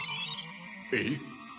えっ？